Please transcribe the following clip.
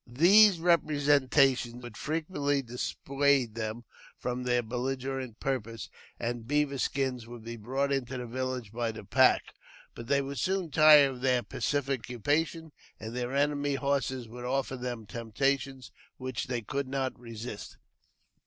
These representations would frequently dissuade them from their belligerent purpose, and beaver skins would be brought 188 AUTOBIOGBAPHY OF theifi into the village by the pack ; but they would soon tire of pacific occupation, and their enemies' horses would offer them temptations which they could not resist.